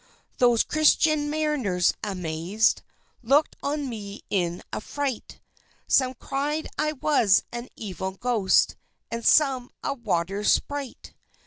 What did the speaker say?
Those Christian mariners, amazed, Looked on me in affright; Some cried I was an evil Ghost, And some a Water Sprite.